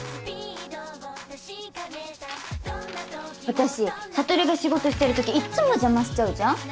私悟が仕事してるときいっつも邪魔しちゃうじゃん。